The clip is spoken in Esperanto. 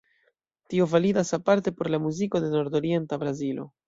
Tio validas aparte por la muziko de nordorienta Brazilo.